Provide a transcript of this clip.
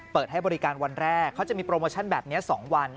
เปิดให้บริการวันแรกเขาจะมีโปรโมชั่นแบบนี้๒วัน